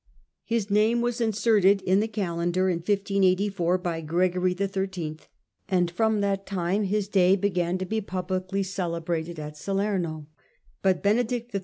His name was inserted in the Calendar in 1584 by Gregory XTTT., and from that time his day began to be publicly celebrated at Salerno, but Benedict XIII.